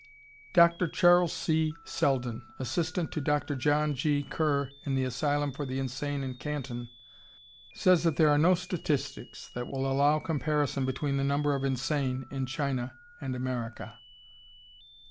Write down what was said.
Dr. Charles C. Selden, assistant to Dr. John G. Kerr in the Asylum for the Insane in Canton, says that there are no statistics that will allow comparison between the number of insane in China and America.